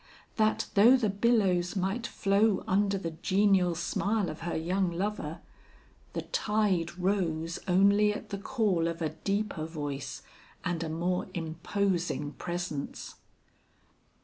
that though the billows might flow under the genial smile of her young lover, the tide rose only at the call of a deeper voice and a more imposing presence?